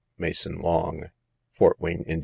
MASON LONG. Fort Wayne, Ind.